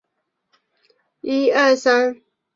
伊叙人口变化图示